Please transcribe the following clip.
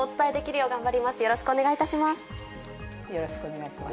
よろしくお願いします。